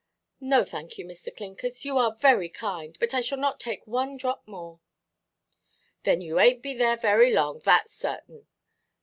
"No, thank you, Mr. Clinkers. You are very kind; but I shall not take one drop more." "Then you ainʼt been there very long, thatʼs certain.